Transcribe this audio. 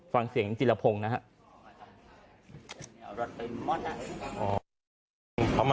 ฟังเสียงจิลพงศ์นะครับ